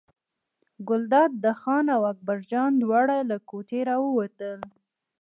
ګلداد خان او اکبرجان دواړه له کوټې راووتل.